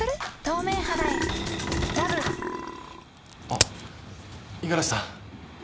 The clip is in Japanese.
あっ五十嵐さん。